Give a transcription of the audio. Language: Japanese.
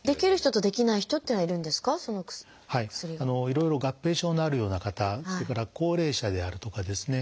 いろいろ合併症のあるような方それから高齢者であるとかですね